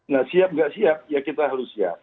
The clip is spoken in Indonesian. nah siap nggak siap ya kita harus siap